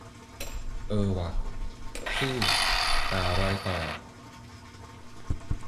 เออว่ะ ชื่อ ป่ารอยต่อ